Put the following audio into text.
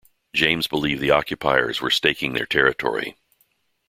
James believed the occupiers were staking their territory.